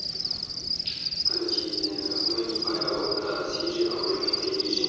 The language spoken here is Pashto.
کله چې د مني پای رارسېږي او ژمی پیلېږي.